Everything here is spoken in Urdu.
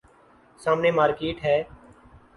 سامنے مارکیٹ ہے۔